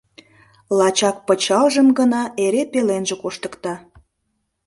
Лачак пычалжым гына эре пеленже коштыкта.